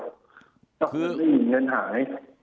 ก็คือเงินหาย